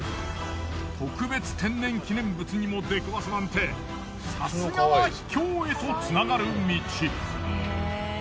特別天然記念物にも出くわすなんてさすがは秘境へとつながる道。